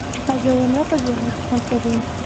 حج او عمره په ځوانۍ کې خوند کوي.